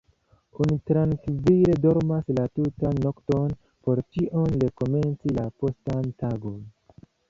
Oni trankvile dormas la tutan nokton, por ĉion rekomenci la postan tagon.